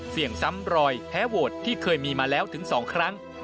ซ้ำรอยแพ้โหวตที่เคยมีมาแล้วถึง๒ครั้ง